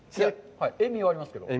塩味はありますけど。